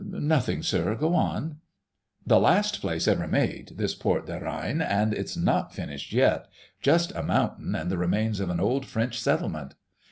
"Nothing, sir, go on..." "The last place ever made, this Port des Reines, and it's not finished yet—just a mountain and the remains of an old French settlement.